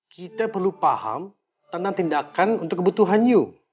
kita perlu paham tentang tindakan untuk kebutuhan yuk